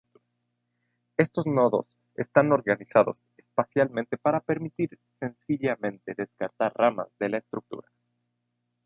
Estos nodos están organizados espacialmente para permitir sencillamente descartar ramas de la estructura.